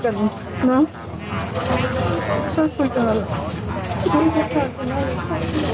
หมาเอาตัดภาพหาแสหน่อย